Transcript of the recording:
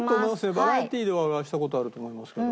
バラエティーではお会いした事あると思いますけど。